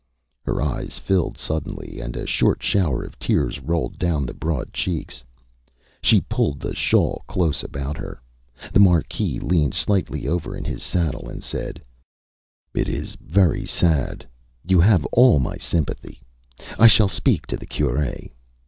Â Her eyes filled suddenly, and a short shower of tears rolled down the broad cheeks. She pulled the shawl close about her. The Marquis leaned slightly over in his saddle, and said ÂIt is very sad. You have all my sympathy. I shall speak to the Cure.